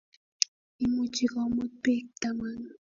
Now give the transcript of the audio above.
Imuchi komuut bik taman